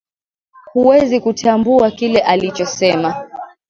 Huwezi kutambua kile alichosema